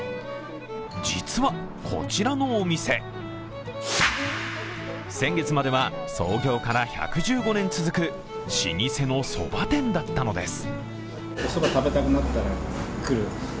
実はこちらのお店先月までは、創業から１１５年続く老舗のそば店だったのです。